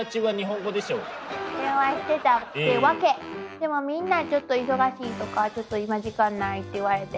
でもみんなちょっと忙しいとかちょっと今時間ないって言われて。